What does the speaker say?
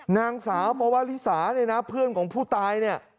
นางสาวมวาลิสาเนี่ยนะเพื่อนของผู้ตายเนี่ย